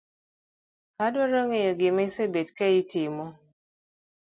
Adwaro ng'eyo gima isebet ka itimo